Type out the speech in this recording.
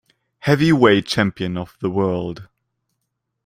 Heavyweight champion of the world.